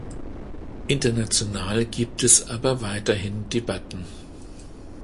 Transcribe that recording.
International gibt es aber weiterhin Debatten.